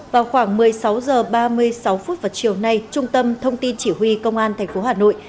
vào khoảng một mươi sáu h ba mươi sáu phút vào chiều nay trung tâm thông tin chỉ huy công an tp hà nội